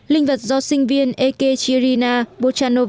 linh vật do sinh viên ek chirina bochanov